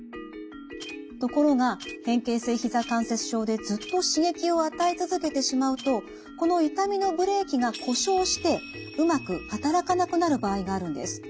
ところが変形性ひざ関節症でずっと刺激を与え続けてしまうとこの痛みのブレーキが故障してうまく働かなくなる場合があるんです。